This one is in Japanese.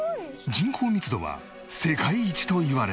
人口密度は世界一といわれた